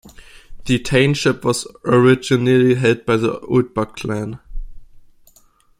The Thainship was originally held by the Oldbuck Clan.